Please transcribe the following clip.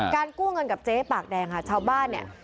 กู้เงินกับเจ๊ปากแดงค่ะชาวบ้านเนี่ย